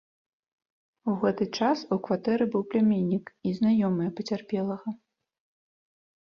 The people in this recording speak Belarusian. У гэты час у кватэры быў пляменнік і знаёмыя пацярпелага.